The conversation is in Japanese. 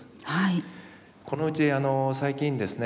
このうち最近ですね